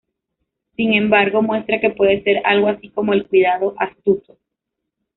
Sin embargo, muestra que puede ser algo así como el cuidado astuto.